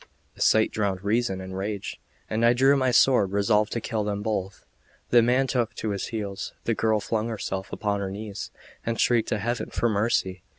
The sight drowned reason in rage, and I drew my sword, resolved to kill them both. The man took to his heels; the girl flung herself upon her knees, and shrieked to Heaven for mercy.